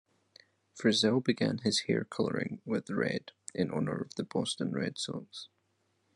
Frizelle began his hair coloring with red, in honor of the Boston Red Sox.